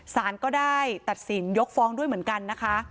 สารก็ได้ตัดสินยกฟ้องด้วยเหมือนกันนะคะ